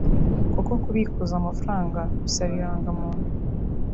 kuko kubikuza amafaranga bisaba irangamuntu